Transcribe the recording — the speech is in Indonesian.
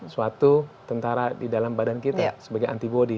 suatu tentara di dalam badan kita sebagai antibody